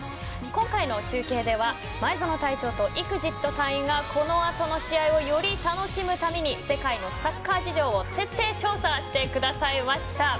今回の中継では前園隊長とＥＸＩＴ隊員がこの後の試合をより楽しむために世界のサッカー事情を徹底調査してくださいました。